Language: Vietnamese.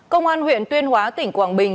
công an huyện tuyên hóa tỉnh quảng bình